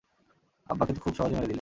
আব্বা কে তো খুব সহজে মেরে দিলে।